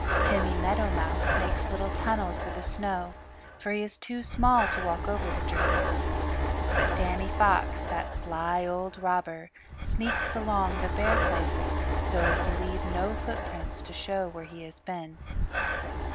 Timmy Meadowmouse makes little tunnels through the snow, for he is too small to walk over the drifts. But Danny Fox, that sly old robber, sneaks along the bare places so as to leave no footprints to show where he has been.